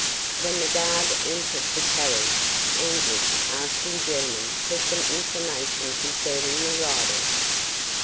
When the guard entered the carriage Anguish asked in German for some information concerning the riders.